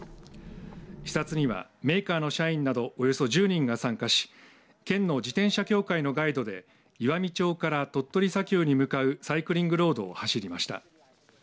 視察には、メーカーの社員などおよそ１０人が参加し県の自転車協会のガイドで岩美町から鳥取砂丘に向かうサイクリングロードを走りました。